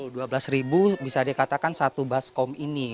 dua pikul rp dua belas bisa dikatakan satu baskom ini